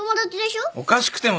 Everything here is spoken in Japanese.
おかしくてもだ。